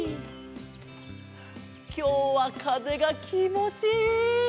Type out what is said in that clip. きょうはかぜがきもちいい！